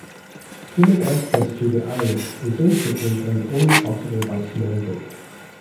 Human access to the islet is infrequent and only possible by small boat.